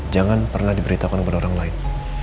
jangan pernah diberitakan kepada orang lain